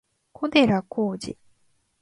小寺浩二